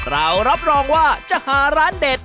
รับรองว่าจะหาร้านเด็ด